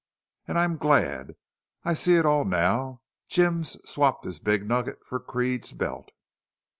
And I'm glad! I see it all now. Jim's swapped his big nugget for Creede's belt.